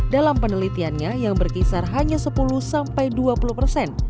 dalam penelitiannya yang berkisar hanya sepuluh sampai dua puluh persen